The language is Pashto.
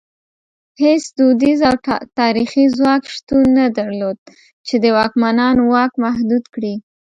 هېڅ دودیز او تاریخي ځواک شتون نه درلود چې د واکمنانو واک محدود کړي.